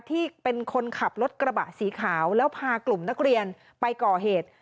ที่เป็นคนขับรถกระบะสีขาวแล้วพากลุ่มนักเรียนไปก่อเหตุ